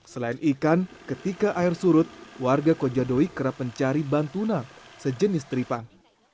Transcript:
selain ikan ketika air surut warga kojadoi kerap mencari bantunang sejenis tripang